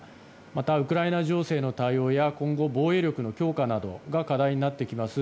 またウクライナ情勢の対応や今後、防衛力の強化などが課題になってきます